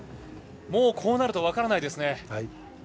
もうこうなると分からないですね。